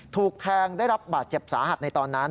ถูกแทงได้รับบาดเจ็บสาหัสในตอนนั้น